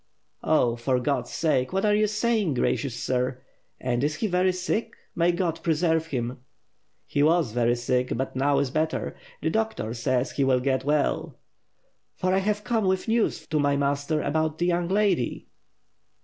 "Oh, for God's sake, what are you saying, gracious sir! And is he very sick? May God preserve him!" "He was very sick, but now he is better. The doctor says he will get well." "For I have come with news to my master about the young lady."